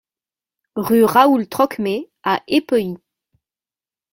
Rue Raoul Trocmé à Épehy